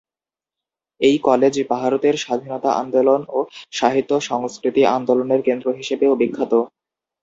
এই কলেজ ভারতের স্বাধীনতা আন্দোলন ও সাহিত্য সংস্কৃতি আন্দোলনের কেন্দ্র হিসেবেও বিখ্যাত।